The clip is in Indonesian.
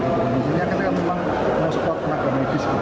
misalnya kita memang mau support tenaga medis